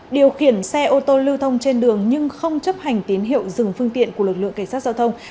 điều khiển xe ô tô lưu thông trên đường nhưng không chấp hành tín hiệu dừng phương tiện của lực lượng cảnh sát giao thông